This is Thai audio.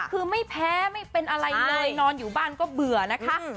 คือไม่แพ้ไม่เป็นอะไรเลยนอนอยู่บ้านก็เบื่อนะคะ